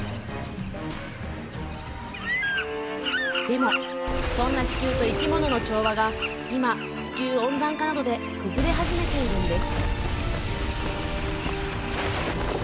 でも、そんな地球と生き物の調和が今、地球温暖化などで崩れ始めているんです。